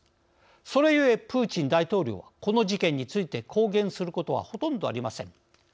それゆえプーチン大統領はこの事件について公言することはほとんどありません。